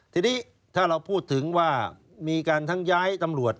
ทีนี้ถ้าเราพูดถึงว่ามีการทั้งย้ายตำรวจ